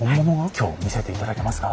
今日見せて頂けますか？